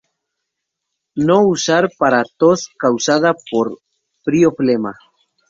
No usar para tos causada por frío-flema.